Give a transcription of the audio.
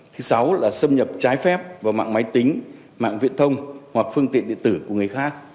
thứ sáu là xâm nhập trái phép vào mạng máy tính mạng viễn thông hoặc phương tiện điện tử của người khác